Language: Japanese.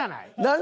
何？